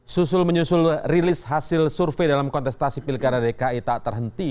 susul menyusul rilis hasil survei dalam kontestasi pilkada dki tak terhenti